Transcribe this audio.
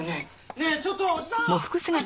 ねえちょっとおじさん！